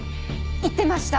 言ってました！